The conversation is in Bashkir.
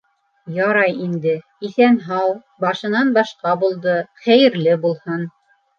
— Ярай инде, иҫән-һау, башынан башҡа булды, хәйерле булһын!